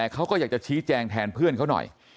เขาก็อยากจะชี้แจงแทนเพื่อนเขาหน่อย